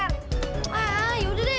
yaudah deh yaudah deh